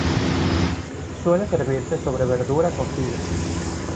Suele servirse sobre verdura cocida.